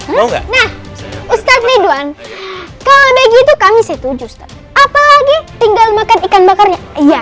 mau nggak nah ustadz ridwan kalau begitu kami setuju apalagi tinggal makan ikan bakarnya ya